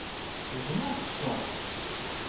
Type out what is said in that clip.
Uḍneɣ sskeṛ.